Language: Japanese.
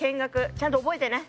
ちゃんと覚えてね。